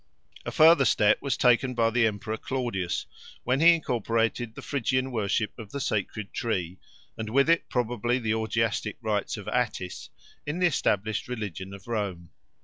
A further step was taken by the Emperor Claudius when he incorporated the Phrygian worship of the sacred tree, and with it probably the orgiastic rites of Attis, in the established religion of Rome.